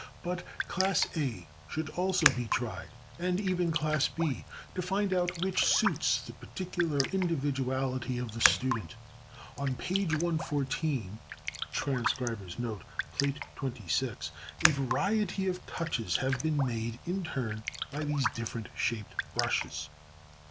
But Class A should also be tried, and even Class B, to find out which suits the particular individuality of the student. On page 114 [Transcribers Note: Plate XXVI] a variety of touches have been made in turn by these different shaped brushes.